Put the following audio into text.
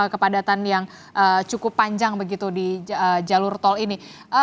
kepadatan yang cukup panjang begitu di jalur tol ini